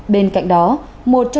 bên cạnh đó